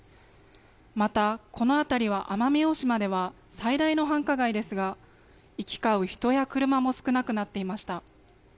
また、この辺りは奄美大島では最大の繁華街ですが、行き交う人や車も少なくなっていました。